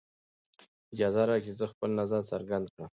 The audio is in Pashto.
اجازه راکړئ چې زه خپله نظر څرګند کړم.